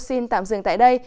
xin tạm dừng tại đây